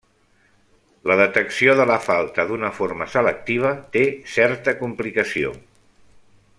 La detecció de la falta d'una forma selectiva té certa complicació.